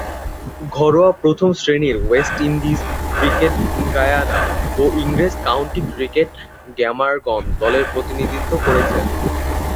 ঘরোয়া প্রথম-শ্রেণীর West Indian ক্রিকেটে গায়ানা ও ইংরেজ কাউন্টি ক্রিকেটে গ্ল্যামারগন দলের প্রতিনিধিত্ব করেছেন।